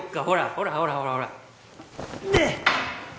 ほらほらほらほらで？